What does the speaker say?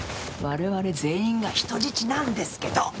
我々全員が人質なんですけど！